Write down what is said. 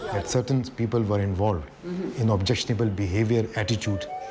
มีคนที่มีทางการแผนกคน